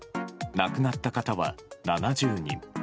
亡くなった方は７０人。